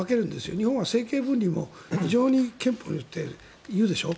日本は政教分離も非常に憲法によって言うでしょう。